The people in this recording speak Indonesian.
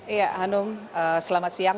iya hanum selamat siang